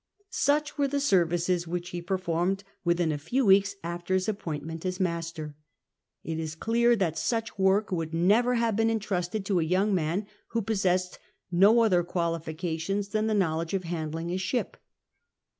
Such wore the services which he performed within a few weeks after his appointment as master. It is clear that such work would never have been entrusted to a young man who possessed no other qualifications than the knowledge of handling a ship.